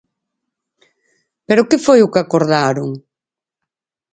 Pero ¿que foi o que acordaron?